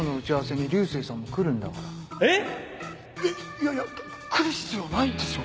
いやいや来る必要ないですよね？